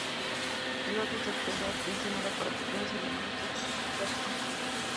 El otro sector de atención es para pequeños animales ya existente, fue reconstruido.